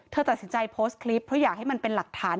เธอตัดสินใจโพสต์คลิปเพราะอยากให้มันเป็นหลักฐาน